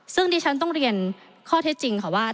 ซึ่งดิฉันต้องเรียนข้อเท็จจริงค่ะว่า